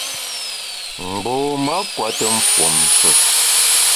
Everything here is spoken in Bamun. Mgbom-a kùete mfuomshe.